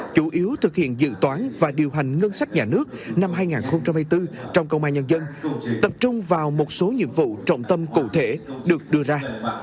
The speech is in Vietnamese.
chủ yếu thực hiện dự toán và điều hành ngân sách nhà nước năm hai nghìn hai mươi bốn trong công an nhân dân tập trung vào một số nhiệm vụ trọng tâm cụ thể được đưa ra